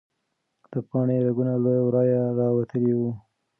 د پاڼې رګونه له ورایه راوتلي وو.